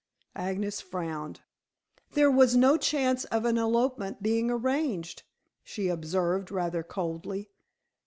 Agnes frowned. "There was no chance of an elopement being arranged," she observed rather coldly.